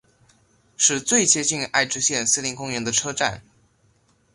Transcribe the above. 是最接近爱知县森林公园的车站。